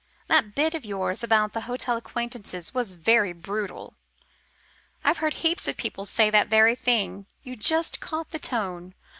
That bit of yours about the hotel acquaintances was very brutal. I've heard heaps of people say that very thing. You just caught the tone.